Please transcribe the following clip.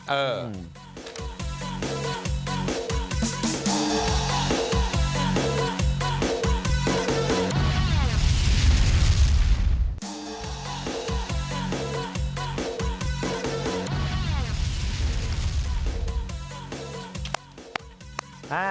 เออ